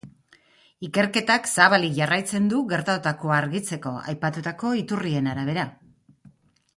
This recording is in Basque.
Ikerketak zabalik jarraitzen du, gertatutakoa argitzeko, aipatutako iturrien arabera.